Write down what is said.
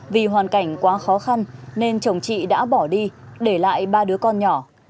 vì hoàn cảnh quá khó khăn nên chồng chị đã bỏ đi để lại ba đứa con nhỏ